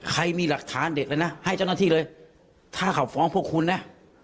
ใครมีหลักฐานเด็ดเลยนะให้เจ้าหน้าที่เลยถ้าเขาฟ้องพวกคุณนะ